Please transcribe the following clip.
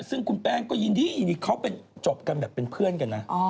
ซึ่งคุณแป้งก็ยินดียินดีเขาเป็นจบกันแบบเป็นเพื่อนกันนะ